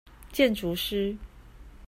建築師